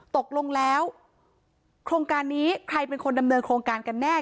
ตกลงแล้วโครงการนี้ใครเป็นคนดำเนินโครงการกันแน่